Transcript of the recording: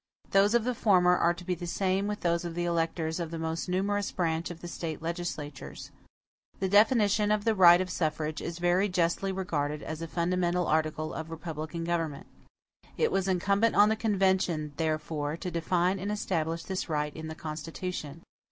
Those of the former are to be the same with those of the electors of the most numerous branch of the State legislatures. The definition of the right of suffrage is very justly regarded as a fundamental article of republican government. It was incumbent on the convention, therefore, to define and establish this right in the Constitution.